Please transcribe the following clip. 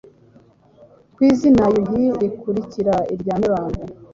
ko izina Yuhi rikurikira irya Mibambwe.